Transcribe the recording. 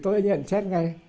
thì tôi nhận chết ngay